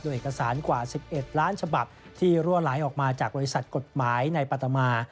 โดยเอกสารกว่า๑๑ล้านฉบับที่รั่วไหลออกมาจากบริษัทกฎหมายในปัตมา